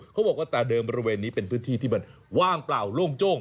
เขาบอกว่าแต่เดิมบริเวณนี้เป็นพื้นที่ที่มันว่างเปล่าโล่งโจ้ง